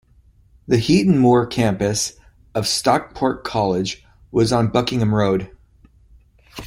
The Heaton Moor campus of Stockport College was on Buckingham Road.